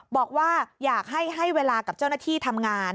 บอกว่าอยากให้ให้เวลากับเจ้าหน้าที่ทำงาน